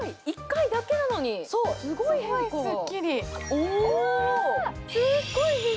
１回だけなのに、すごいすっきり。